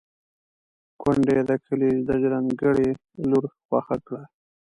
کونډې د کلي د ژرنده ګړي لور خوښه کړه.